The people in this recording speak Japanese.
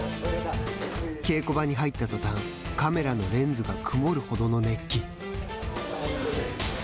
稽古場に入ったとたんカメラのレンズが曇るほどの熱気。